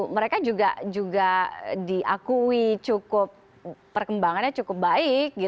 mereka juga diakui cukup perkembangannya cukup baik